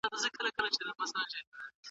گوره وړې! زيارت ته راشه زما واده دی گلې